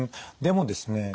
でもですね